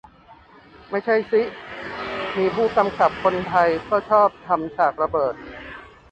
ไม่ใช่สิ มีผู้กำกับคนไทยก็ชอบทำฉากระเบิด